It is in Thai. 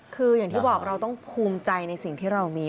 คืออย่างที่บอกเราต้องภูมิใจในสิ่งที่เรามี